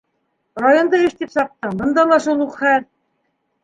- Районда эш тип саптың, бында ла шул уҡ хәл!